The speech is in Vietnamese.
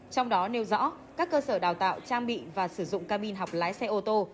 trong đó nêu rõ các cơ sở đào tạo trang bị và sử dụng cabin học lái xe ô tô